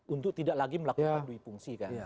untuk tidak lagi melakukan dui fungsi kan